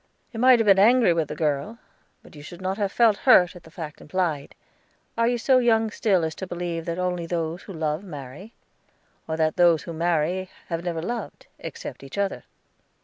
"You might have been angry with the girl, but you should not have felt hurt at the fact implied. Are you so young still as to believe that only those who love marry? or that those who marry have never loved, except each other?"